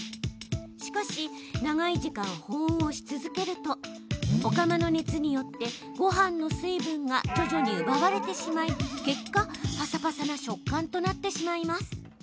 しかし長い時間保温をし続けるとお釜の熱によってごはんの水分が徐々に奪われてしまい結果パサパサな食感となってしまいます。